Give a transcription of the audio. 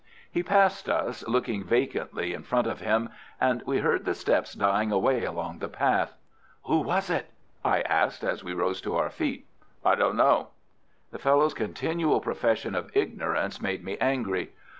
He passed us, looking vacantly in front of him, and we heard the steps dying away along the path. "Who was it?" I asked, as we rose to our feet. "I don't know." The fellow's continual profession of ignorance made me angry.